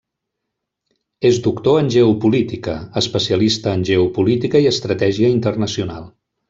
És doctor en geopolítica, especialista en geopolítica i estratègia internacional.